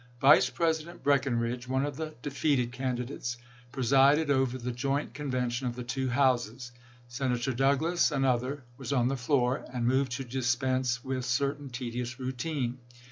Vice President Breckinridge, one of the defeated candidates, presided over the joint con vention of the two Houses ; Senator Douglas, an other, was on the floor, and moved to dispense with certain tedious routine.